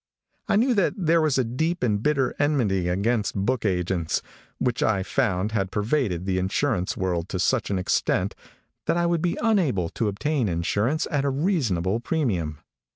I knew that there was a deep and bitter enmity against book agents, which I found had pervaded the insurance world to such an extent that I would be unable to obtain insurance at a reasonable premium.